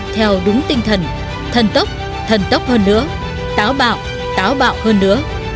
theo đúng tinh thần thần tốc thần tốc hơn nữa táo bạo táo bạo hơn nữa